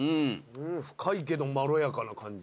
深いけどまろやかな感じ。